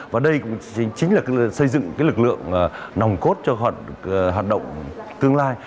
và đây chính là xây dựng lực lượng nồng cốt cho hoạt động tương lai